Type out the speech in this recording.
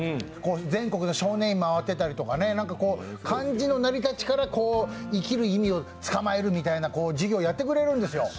全国の少年院を回っていたりとか漢字の成り立ちから生きる意味を捕まえるみたいな授業やってくれるんですよ。